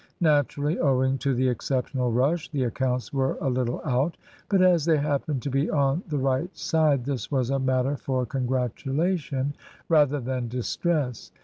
Naturally, owing to the exceptional rush, the accounts were a little out, but as they happened to be on the right side this was a matter for congratulation rather than distress.